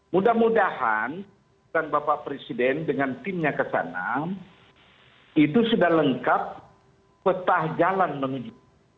mudah mudahan dan bapak presiden dengan timnya kesana itu sudah lengkap petah jalan menuju